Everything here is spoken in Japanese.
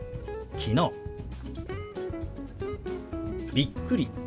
「びっくり」。